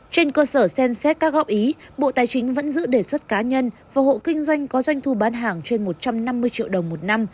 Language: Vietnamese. trên cơ sở xem xét các góp ý bộ tài chính vẫn giữ đề xuất cá nhân và hộ kinh doanh có doanh thu bán hàng trên một trăm năm mươi triệu đồng một năm